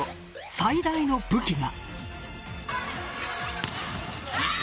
最大の武器は。